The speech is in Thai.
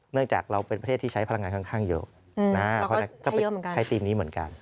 จากเราเป็นประเทศที่ใช้พลังงานค่อนข้างเยอะก็ไปใช้ทีมนี้เหมือนกัน